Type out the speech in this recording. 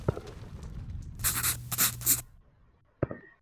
আমি আর কিনাই মায়ের আগেই পোঁছেছি।